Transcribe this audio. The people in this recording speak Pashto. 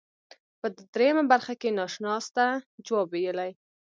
په دریمه برخه کې ناشناس ته جواب ویلی.